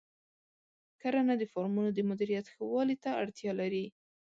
کرنه د فارمونو د مدیریت ښه والي ته اړتیا لري.